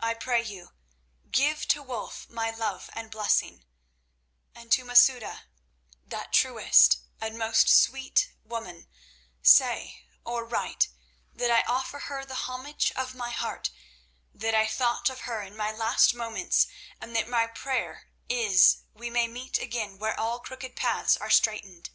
I pray you, give to Wulf my love and blessing, and to Masouda, that truest and most sweet woman, say, or write, that I offer her the homage of my heart; that I thought of her in my last moments, and that my prayer is we may meet again where all crooked paths are straightened.